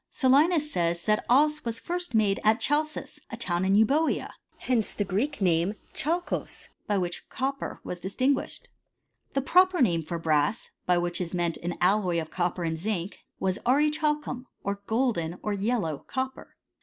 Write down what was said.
Solinus says, that cea was first made at Chalcis, a town in Eubcea. Hence the Greek name, "xblKko^ (chalkos)y by which copper was distinguished. The proper name for brass, by which is meant an alloy of copper and zinc, was aurichalcuniy or golden, or yellow copper.